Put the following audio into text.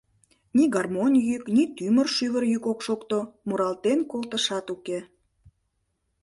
Ни гармонь йӱк, ни тӱмыр-шӱвыр йӱк ок шокто, муралтен колтышат уке.